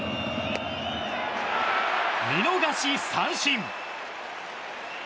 見逃し三振。